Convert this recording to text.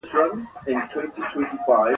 لوټمار کور لوټ کړ.